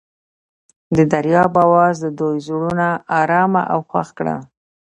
د دریاب اواز د دوی زړونه ارامه او خوښ کړل.